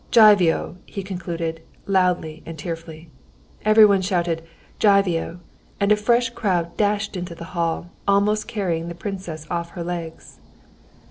Jivio!" he concluded, loudly and tearfully. Everyone shouted Jivio! and a fresh crowd dashed into the hall, almost carrying the princess off her legs.